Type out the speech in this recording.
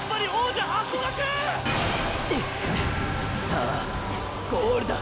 さあゴールだ。